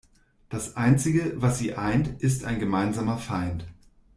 Das einzige, was sie eint, ist ein gemeinsamer Feind.